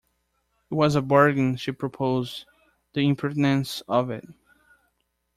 It was a bargain she proposed — the impertinence of it!